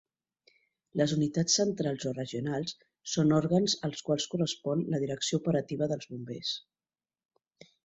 Les Unitats Centrals o Regionals són òrgans als quals correspon la direcció operativa dels bombers.